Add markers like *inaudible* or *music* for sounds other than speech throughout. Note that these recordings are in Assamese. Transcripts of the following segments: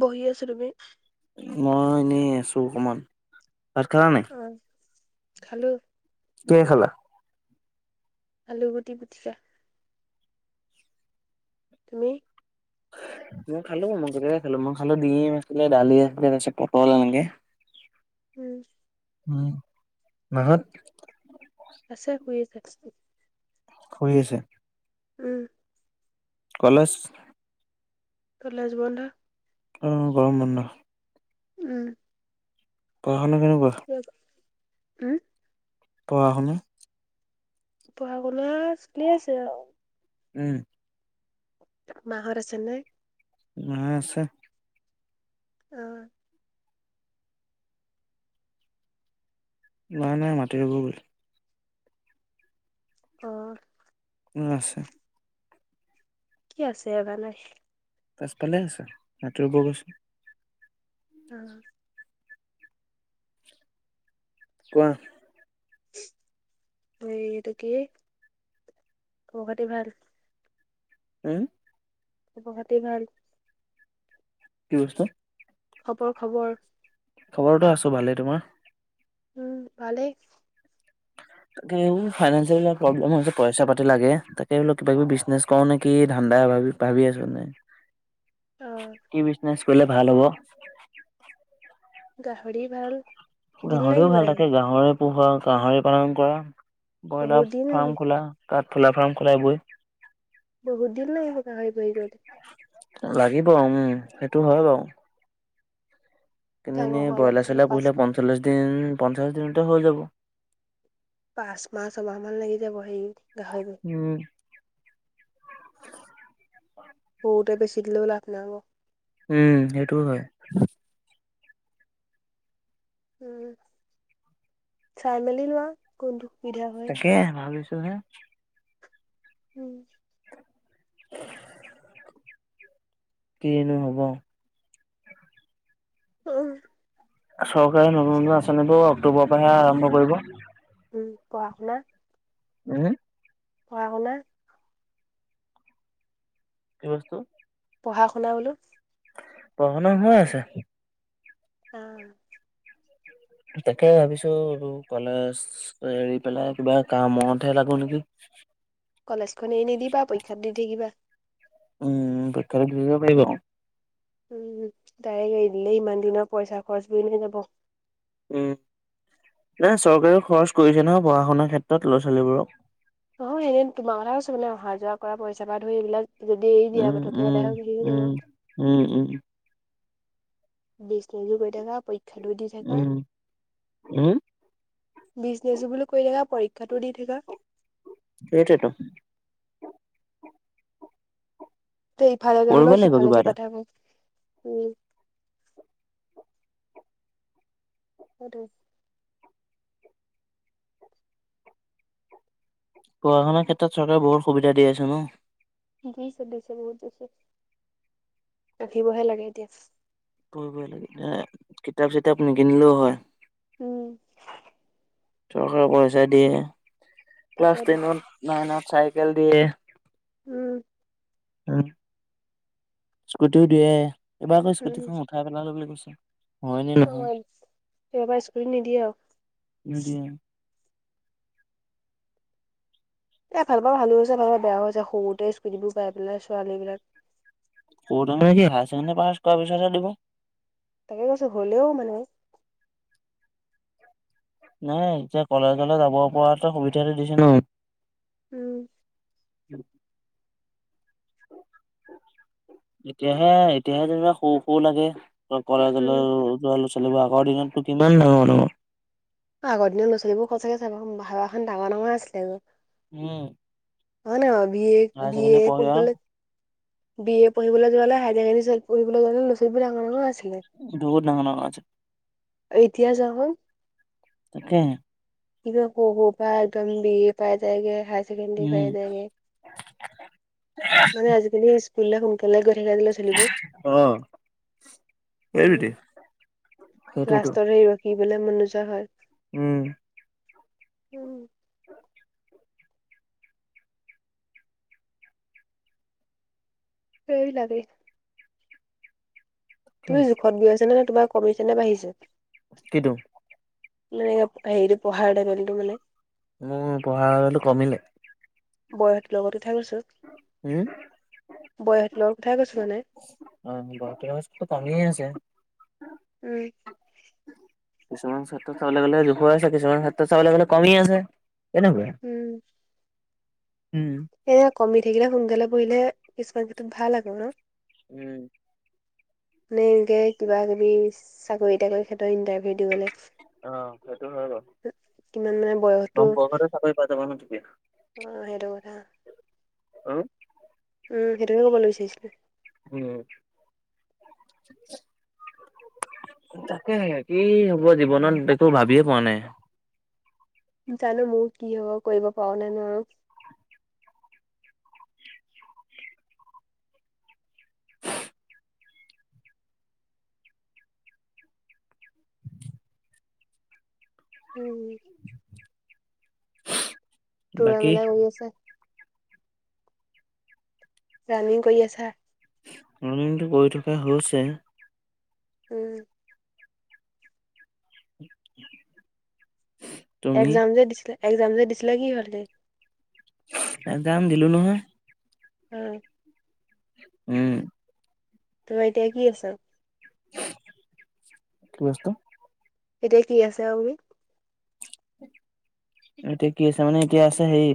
বহি আছো। তুমি? মই এনেই আছো অকনমান, ভাত খালা নাই? অ, খালো। কিহে খালা? আলু গুটি পিটিকা। তুমি? মই খালো। মই কেতিয়াবাই খালো, মই খালো ডিম আছিলে, দালি আছিলে, তাৰ পিছত পটল এনেকে। উম। উম, মাহঁত? আছে শুই আছে বিছনাত। শুই আছে? উম। কলেজ? কলেজ বন্ধ। অ', গৰম বন্ধ। উম। পঢ়া শুনা কেনে গ'ল? হুউম পঢ়া-শুনা পঢ়া শুনা চলি আছে আৰু। উম। মা হত আছে নে? মা আছে। অ'। মা নাই, মাতি ৰুব গ'ল অ উ আছে। কি আছে বা নাই পাছফালে আছে মাটি ৰুব গৈছে উম কোৱা। হেয়ি এইটো কি, খবৰ পাতি ভাল? উম। খবৰ খাতি ভাল? কি বস্তু খবৰ খবৰ খবৰটো আছো ভালেই। তোমাৰ? উম ভালেই। তাকে এইবোৰ ফাইনেঞ্চিয়েল বিলাক প্ৰব্লেম হৈছে পইচা পাতি লাগে তাকে বোলো কিবা কিবি বিজনেছ কৰো নেকি ধান্দা অভাবি ভাবি আছো অ মানে কি বিজনেচ কৰিলে ভাল হ'ব গাহৰি ভাল, দিন গাহৰিও লাগিব ভাল তাকে থাকে গাহৰি পোহোৱা, গাহৰি পালন কৰা, বহুত ব্ৰইলাৰ দিন ফাৰ্ম খোলা, কাঠফুলা ফাৰ্ম খোলা এইবোৰে। বহত দিন লাগিব গাাহৰি *unintelligible* যদি লাগিব উম সেইটো হয় বাৰু। কিন্তু ডাঙৰ এনেই হোৱালে ব্ৰইলা হোৱালে চইলা পাঁচ পুহিলে পঞ্চল্লিছ দিন পঞ্চাছ দিনতে হৈ যাব। পাঁচ মাহ, ছমাহ মান লাগি যাব সেই গাহৰিটো উম বহুতে বেছি দিলেও লাভ নাহব। উম সেইটোও হয়। উম চাই মেলি লোৱা কোনটো সুবিধা হয়। এ ভাবিছো হে। উম *unintelligible* কিনো হ'ব উম চৰকাৰে নতুন নতুন আঁচনিবোৰ অক্টোবৰ পৰাহে আৰম্ভ কৰিব। উম পঢ়া-শুনা হেএ পঢ়া-শুনা কি বস্তু? পঢ়া শুনা বোলো? পঢ়া-শুনা হৈ আছে। আঁ তাকে ভাবিছো ও কলেজ এৰি পেলাই কিবা কামতহে লাগো নেকি! কলেজ খনে এৰি নিদিবা। পৰীক্ষা দি থাকিবা। উম পৰীক্ষা দি যাব পাৰি বাও উম তাই এৰি দিলেই ইমান দিনৰ পইচা খৰচ খৰচ এনে যাব। উম নহয় চৰকাৰেও খৰচ কৰিছে নহয় পঢ়া শুনাৰ ক্ষেত্ৰত ল'ৰা - ছোৱালীবোৰৰ। নহয় এ তোমাৰ কথা কৈছো মানে অহা যোৱা কৰা পইচা পৰা ধৰি এইবিলাক যদি এই বিয়া উম, পতা উম, কেইটাহে সুধিম উম, *unintelligible* উম, উম। বিজনেছো কৰি গৈ থাকা। পৰীক্ষাটো দি থাকা। উম, উম, বিজনেছো বুলি কৰি থকা, পৰীক্ষাতো দি থকা। সেইটোৱেটো। তে ইফালে যাবলে কৰিব হলেও লাগিব কিবা সিফালেকে এটা। পাঠ কম উম *unintelligible* অ তো *inaudible* পঢ়া- শুনা ক্ষেত্ৰত চৰকাৰে বহুত সুবিধা দি আছে ন! দিছে দিছে বহুত দিছে, পাবহে লাগে এতিয়া। পঢ়িবই লাগে, এ কিতাপ চিতাপ কিনিলেও হয়। উম। চৰকাৰে পইচা দিয়ে ক্লাছ তাকেইতো। টেনত, নাইনত চাইকেল দিয়ে। উম। উম। স্কুটিও দিয়ে, এইবাৰ আকৌ উম, স্কুটিখন উঠাই পেলালো বুলি কৈছে। হয়নে নহয়? এইবাৰ স্কুটি নিদিয়ে আৰু। এ ভাল পাওঁ ভালো হৈছে ভাল বেয়াও হৈছে সৰুতে স্কুটিবোৰ পাই পেলাই ছোৱালী বিলাক সৰুতে মানে কি হায় চেকেনদি পাঁচ কৰা পিছত হে দিব। তাকে কৈছো হ'লেও মানে। নাই এতিয়া কলেজলে যাব পৰাতে সুবিধাটো দিছে ন। উম। উ *unintelligible* এতিয়াহে এতিয়াহে যেনিবা সৰু সৰু লাগে। উম, কলেজলৈ যোৱা ল'ৰা ছোৱালী বোৰ, আগৰ দিনত টো কিমান ডাঙৰ ডাঙৰ অ, আগৰ দিনত লৰা- ছোৱালীবো সচাকে চাব ভাবাখন ডাঙৰ ডাঙৰে আছিলে ক। উম নহয় নহ B A higher B A secondary পঢ়িবলে। পঢ়ি বি এ পঢ়িবলৈ যোৱালে হায়াৰ ছেকেনডি পঢ়িবলৈ গলে লৰা ছোৱালী বোৰ ডাঙৰ ডাঙৰ আছিলে। বহুত ডাঙৰ আছে। এতিয়া যা সোন তাকে। একে সউ সউ পাই একদম বি এ পায় ৰায়ে। হায়চেকেনদি উম পায় ৰায়ে। ‌ মানে আজাকালি স্কুললে সোনকালে গৈ থাকে দিলে চলিবো অ এইটোৱেই উম, সেইটোৱেইটো লাচতো এইবলে মনো নোযোৱা হয়। উম। *unintelligible* সেই লাগে। তুমি জোখত গৈ আছা নে নে তোমাৰ কমিছেনে বাঢ়িছে? কিটো নেৰেগাপ সেইটোপ পঢ়া টেবুলটো মানে মোৰ পঢ়া লেৱেলটো কমিলে। বৌহত লগতে থাক গৈছো। উম। বয়সত লগ কথাই কৈছো মানে। *unintelligible* টামিয়ে আছে উম। কিছুমান চেত্ৰত চাবলে গ'লে যোখৰে আছে কিছুমান ক্ষেত্ৰত চাবলৈ গ'লে কমি আছে। এনেকুৱা উম। সেয়ে কমি থাকিলে সোনকালে পঢ়িলে কিছুমান ক্ষেত্ৰত ভাল আক ন? উম। নেই কে কিবা কিবি চাকৰি তাকৰি ক্ষেতত ইণ্টাৰভিউ দিবলে। অ সেইটো হয় বাৰু কিমান মানে কম বয়সতো বয়সতে চাকৰি পায় যাব ন তেতিয়া অ সেইটো কথা। অহ। উম সেইটোকে কবলৈ চাইছিলোৱে। *unintelligible* তাকে কি হব জীৱনত একো ভাবিয়ে পোৱা নাই। জানো মোৰ কি হব কৰিব পাওঁ নে নোৱাৰোঁ। উম। টোৰাই বাকী গোলাই গৈ আছে। ৰানিং কৰি আছা? ৰানিংটো কৰি থকা হৈছে। উম। *inaudible* একজাম যে দিছিলে একজাম যে দিছিলে কি হ'লি? একজাম দিলো নহয়। আও। উম। তোমাৰ এতিয়া কি আছাও। কি বস্তু? এতিয়া কি আছে আও বি এতিয়া কি আছে মানে এতিয়া আছে সেই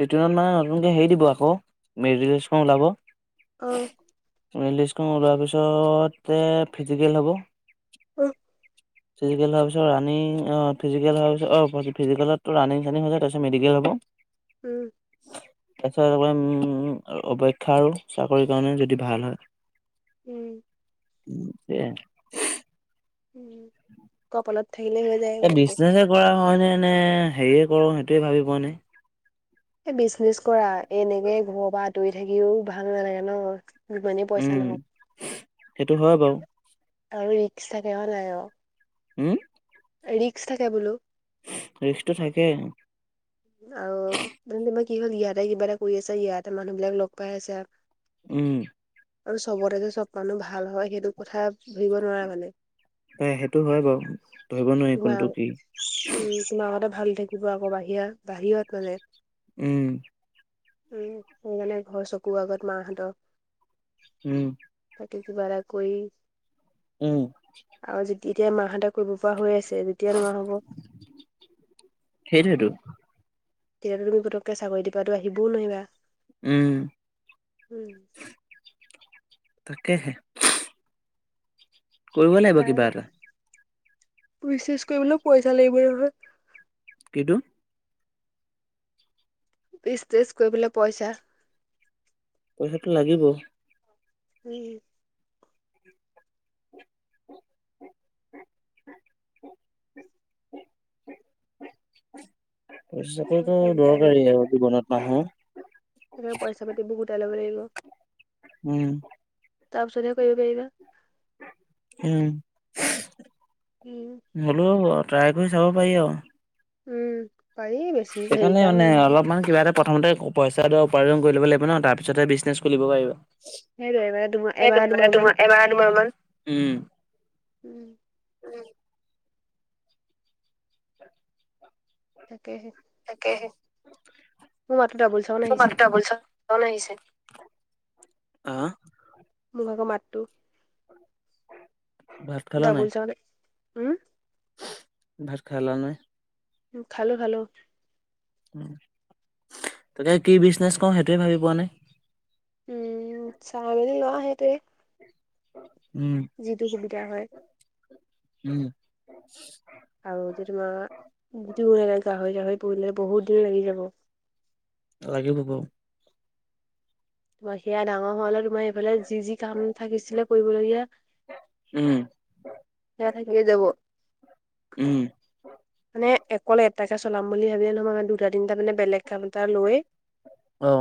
ৰিটেনত মানে নতুনকে হেৰি দিব আকৌ *unintelligible* ওলাব। অ। মেৰিট লিষ্টখন ওলোৱাৰ পিছতে ফিজিকেল হ'ব। অহ ফিজিকেল হোৱাৰ পিছত ৰানিং অ ফিজিকেল হোৱাৰ পিছত অ ফিজিকেলত টো ৰানিং চানিং হৈ যায় তাছত মেডিকেল হ'ব। উম। তাৰপিছত উম অপেক্ষা আৰু চাকৰি কাৰণে, যদি ভাল হয়। উম *unintelligible* উম, কপালত থাকিলে হৈ যায় এই পতককে বিজনেচ কৰা হয় নে নে হেৰিয়ে কৰো, সেইটোৱে ভাবি পোৱা নাই। এ বিচনেজ কৰা, এনেকে ঘৰৰ পৰা আঁতৰি থাকিও ভাল নালাগে ন? যিমানেই পইচা উম নহওক, সেইটো হয় বাৰু আৰু ৰিক্স থাকে হয় নাই বাও? উম ৰিক্স থাকে বোলো, ৰিক্সটো থাকে। আৰু মানে তোমাৰ কি হ'ল, ইয়াতে কিবা এটা কৰি আছা, ইয়াতে মানুহ বিলাক লগ পাই আছা, উম আৰু চবতে যে চব মানুহ ভাল হয়, সেইটো কথা ভাবিব নোৱাৰা মানে, এ সেইটো হয় বাৰু ধৰিব নোৱাৰি তোমাৰ কোনটো কি? উম তোমাৰ আগতে ভাল হৈ থাকিব, আকৌ বাহিৰা বাহিৰত মানে উম উম, সেইকাৰণে ঘৰৰ চকুৰ আগত মাহঁতক উম তাতে কিবা এটা কৰি উম আৰু এতিয়া মাহঁতে কৰিব পৰা হৈ আছে, যেতিয়া নোৱাৰা হ'ব, সেইটোৱেইটো তেতিয়াটো তুমি পতককে চাকৰিটো পৰাটো আহিবও নোৱাৰা, উম, তাকেহে, কৰিব লাগিব কিবা এটা। বিজনেছ কৰিবলৈ পইচা লাগিব নহয়, কিটো? বিজনেছ কৰিবলে পইচা, পইচাটো লাগিবই, উম *inaudible* চাকৰিতো পইচা গোটাই দৰকাৰী আৰু জীৱনত মানুহৰ। সেইটোৱে পইচা পাতিবোৰ গোটাই ল'ব লাগিব। উম তাৰ পিছতহে কৰিব পাৰিবা। উম, উম, হলো হব ট্ৰাই কৰি চাব পাৰি আৰু। উম, পাৰি বেছি হেৰি সেইকাৰণে কাম নহয় নহয়। অলপমান মানে কিবা এটা প্ৰথমতে পইচা ধৰ উপাৰ্জন কৰি ল'ব লাগিব ন' তাৰ পিছতহে বিজনেছ খুলিব পাৰিবা। সেইটোৱে মানে দুমাহ এমাহ সেইটোৱে, মানে দুমাহ মান তোমাৰ এমাহ দুমাহ মান, উম, উম তাকে হে। তাকেহে। মাতটো ডাবুল চাউণ্ড আহিছে ফোন আহিছে, আহ? মোৰ ভাগৰ মাতটো। ভাত ডাবুল যোৱা নাই? উম, ভাত খালা নে? খালো খালো। তাকে কি বিজনেচ ক‌ও সেইটোয়ে ভাবি পোৱা নাই। উম, চাই মেলি লোৱা সেইটোৱে। উম। যিটো সুবিধা হয়। উম। আৰু যে তোমাৰ, যিটো গাহৰি গাহৰি পুহিলে বহুত দিন লাগি যাব। লাগিব বাও। সেয়া ডাঙৰ হ'লে তোমাৰ এইফালে যি যি কাম থাকিছিলে কৰিবলগীয়া, উম। সেয়া থাকিয়ে যাব। উম। মানে অকল এটাকে চলাম বুলি ভাবিলে নহয় মানে দু- দুটা তিনিটা মানে বেলেগ কাম এটা লৈ- অ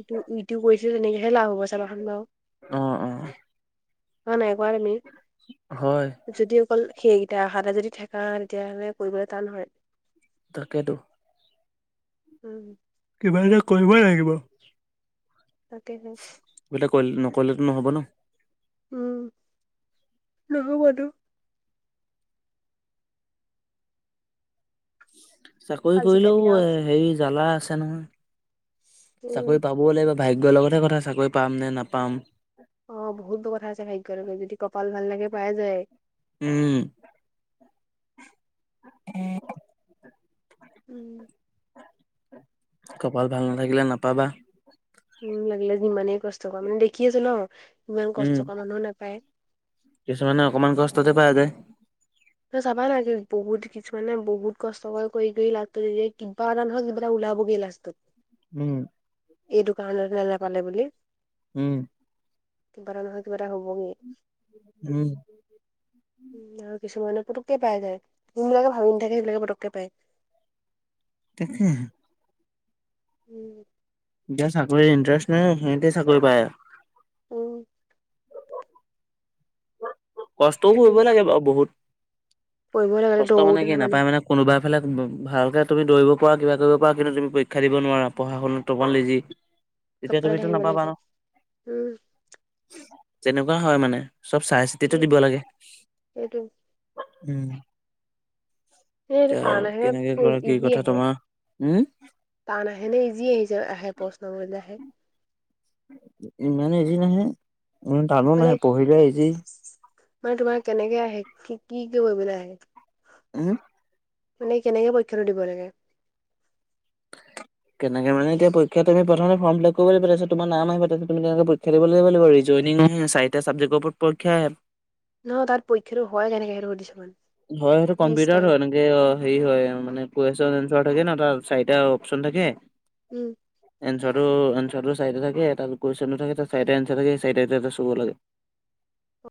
ইটো ইটো কৰিছিলো তেনেকেহে লাভ হব চাবা চোন বাৰু। অ অ। হয় নাই কোৱা তুমি? হয় যদি অকল সেইকেইটা আহা এটা যদি থাকা তেতিয়া হ'লে- কৰিবলৈ তান হয়। তাকেতো। উম। কিবা এটা কৰিবই লাগিব। তাকে হে। কিবা এটা কৰিলে নকৰিলেতো নহ'ব ন। উম, নহবতো। চাকৰি কৰিলেও আজিকালি আৰু এ হেৰি জ্বালা আছে নহয়। উম চাকৰি পাবও লাগিব ভাগ্যৰ লগতহে কথা চাকৰি পাম নে নাপাম। অ বহুত বোৰ কথা আছে ভাগ্যৰলৈকে, যদি কপাল ভাল লাগে পাই যায়। উম। উম। কপাল ভাল নাথাকিলে নাপাবা। উম, লাগিলে যিমানেই কষ্ট কৰা মানে দেখি আছো ন, হিমান উম কষ্ট কৰা মানুহো নাপায়। কিছুমানে অকণমান কষ্টতে পায় যায়। ত' চাবা নাই তুমি বহুত কিছুমানে বহুত কষ্টকৰ কৰি কৰি লাগি কিবা এটা নহয় কিবা এটা ওলাবগৈ লাষ্টত। *unintelligible* উম। এইটো কাৰণতে নাপালে বুলি। উম। কিবা এটা নহয় কিবা এটা হব গেই। উম। উম আৰু কিছুমানে পুতুককে পাই যায়। যোনবিলাকে ভাবি নাথাকে সেইবিলাকে পুতুককে পায়। তাকেহে। উম। যাৰ চাকৰিৰ ইণ্টাৰেষ্ট নাই, সিহঁতে চাকৰি পায়। উম। কষ্টও সেইটোৱে কৰিব লাগে বাও বহুত কৰিবই লাগে কষ্ট মানে দৌৰোতে কি ধেমালি নাপায় মানে কোনোবা ফালে ভালকে তুমি দৌৰিব পৰা কিবা কৰিব পৰা কিন্তু তুমি পৰীক্ষা দিব নোৱাৰা পঢ়া শুনা অলপমান লেজি চব তেতিয়া ফালে তুমিতো থাকিব নাপাবা লাগিব ন উম তেনেকুৱা হয় মানে চব চাই চিতিটো সেই দিব লাগে সেইটো উম এই টান আহে কেনেকে কৰা কি ইজি কথা আহে তোমাৰ উম টান আহে নে ইজি আহিছে আহে প্ৰশ্ন বোৰ আহে ইমানে ইজি নাহে ইমান টানো মানে নাহে পঢ়িলে ইজি মানে তোমাৰ কেনেকে আহে কি কি কৰিবলৈ আহে উম মানে কেনেকে পৰীক্ষাটো দিব লাগে কেনেকে মানে এতিয়া পৰীক্ষা তুমি প্ৰথমে ফ্ৰম ফিলাব কৰিব লাগিব তাৰপিছত তোমাৰ নাম আহিব তাৰপিছত তুমি তেনেক পৰীক্ষা দিব লাগিব ৰিজ জইনিংত হে চাৰিটা চাবজেক্টৰ ওপৰত পৰীক্ষা আহে নহয় তাত পৰীক্ষাটো হয় কেনেকে সেইটো সুধিছো মানো হয় সেইটো কম্পিউটাৰত হয় এ এনেকে অ হেৰি হয় মানে কুৱেশ্যন এনচাৰ থাকে ন তাত চাৰিটা অপচন থাকে উম এনচোৱাটো এনচোৱাটো চাইডে থাকে তাত কুৱেশ্যনটো থাকে চাৰিটা এনচাৰ থাকে চাৰিটাৰ এটা চুব লাগে